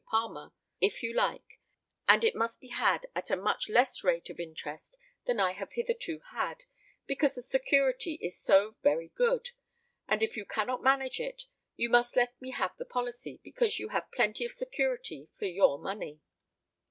Palmer) if you like, and it must be had at a much less rate of interest than I have hitherto had, because the security is so very good; and if you cannot manage it, you must let me have the policy, because you have plenty of security for your money."